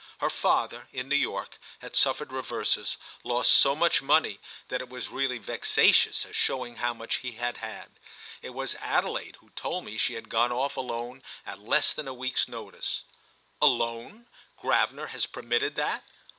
Her father, in New York, had suffered reverses, lost so much money that it was really vexatious as showing how much he had had. It was Adelaide who told me she had gone off alone at less than a week's notice. "Alone? Gravener has permitted that?"